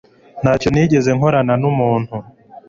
Ntacyo nigeze nkorana numuntu